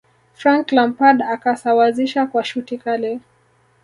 frank lampard akasawazisha kwa shuti Kali